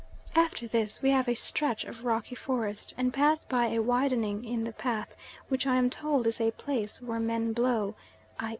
After this we have a stretch of rocky forest, and pass by a widening in the path which I am told is a place where men blow, i.